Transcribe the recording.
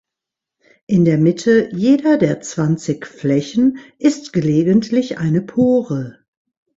In der Mitte jeder der zwanzig Flächen ist gelegentlich eine Pore.